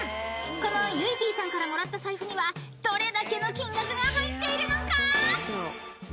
［このゆいＰさんからもらった財布にはどれだけの金額が入っているのか？］